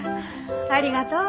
ありがとう。